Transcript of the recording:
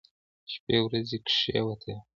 شپې ورځې کښېوتلې.